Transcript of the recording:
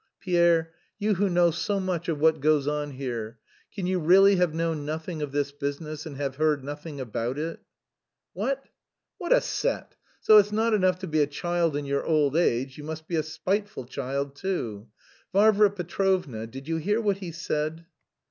"Pierre, you who know so much of what goes on here, can you really have known nothing of this business and have heard nothing about it?" "What? What a set! So it's not enough to be a child in your old age, you must be a spiteful child too! Varvara Petrovna, did you hear what he said?"